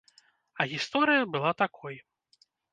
А гісторыя была такой.